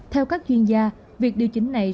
theo các chuyên gia việc điều chỉnh này